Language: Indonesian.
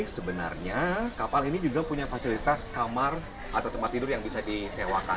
sebenarnya kapal ini juga punya fasilitas kamar atau tempat tidur yang bisa disewakan